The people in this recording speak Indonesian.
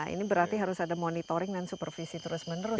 ini berarti harus ada monitoring dan supervisi terus menerus